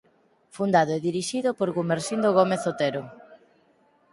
Fundado e dirixido por Gumersindo Gómez Otero.